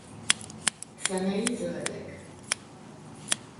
Szemei zöldek.